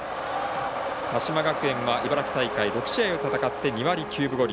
鹿島学園は、茨城大会６試合戦って２割９分５厘。